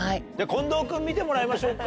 近藤君見てもらいましょうか。